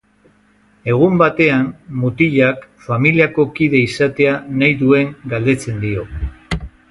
Egun batean, mutilak familiako kide izatea nahi duen galdetzen dio.